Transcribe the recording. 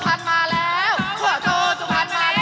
โอ้โหโอ้โหโอ้โหโอ้โห